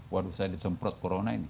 waduh saya disemprot corona ini